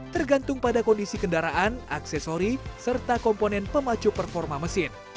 tergantung pada kondisi kendaraan aksesori serta komponen pemacu performa mesin